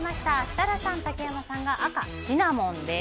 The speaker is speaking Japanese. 設楽さん、竹山さんが赤のシナモン。